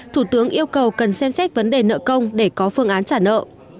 thủ tướng yêu cầu cần xem xét vấn đề nợ công để có phương án trả nợ